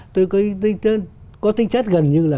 tôi có tinh chất gần như là